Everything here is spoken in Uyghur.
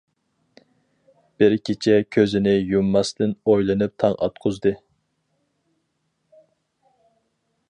بىر كېچە كۆزىنى يۇمماستىن ئويلىنىپ تاڭ ئاتقۇزدى.